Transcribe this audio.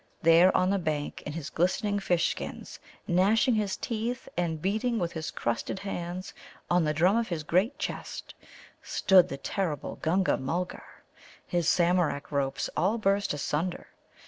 There on the bank in his glistening fish skins, gnashing his teeth and beating with his crusted hands on the drum of his great chest, stood the terrible Gunga mulgar, his Samarak ropes all burst asunder.